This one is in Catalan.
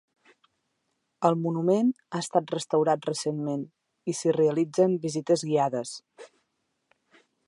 El monument ha estat restaurat recentment i s'hi realitzen visites guiades.